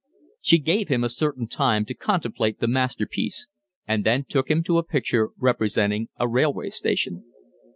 She gave him a certain time to contemplate the masterpiece and then took him to a picture representing a railway station.